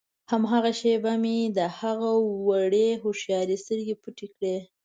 هماغه شېبه مې د هغه وړې هوښیارې سترګې پټې کړې.